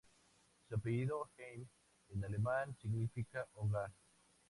Su apellido Heim en alemán significa hogar.